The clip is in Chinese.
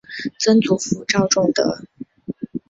曾祖父赵仲德。